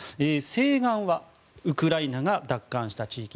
西岸はウクライナが奪還した地域。